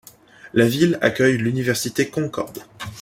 La ville accueille l'université Concord.